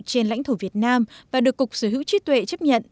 trên lãnh thổ việt nam và được cục sở hữu trí tuệ chấp nhận